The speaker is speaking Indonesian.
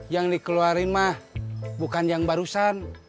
yang dikeluarin mah bukan yang barusan